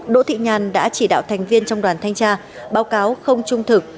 đỗ thị nhàn đã chỉ đạo thành viên trong đoàn thanh tra báo cáo không trung thực